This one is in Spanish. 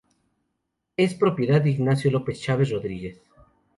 Es propiedad de Ignacio López-Chaves Rodríguez.